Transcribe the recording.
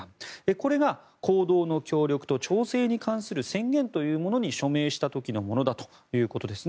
これが行動の協力と調整に関する制限というものに署名した時のものだということです。